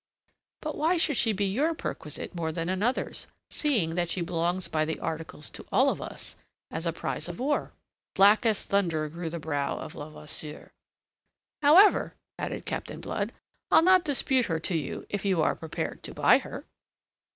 But why should she be your perquisite more than another's, seeing that she belongs by the articles to all of us, as a prize of war?" Black as thunder grew the brow of Levasseur. "However," added Captain Blood, "I'll not dispute her to you if you are prepared to buy her."